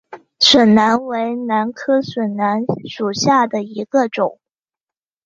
笋兰为兰科笋兰属下的一个种。